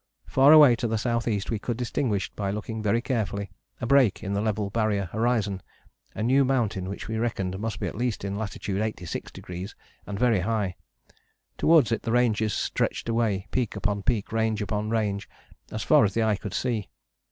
Far away to the south east we could distinguish, by looking very carefully, a break in the level Barrier horizon a new mountain which we reckoned must be at least in latitude 86° and very high. Towards it the ranges stretched away, peak upon peak, range upon range, as far as the eye could see.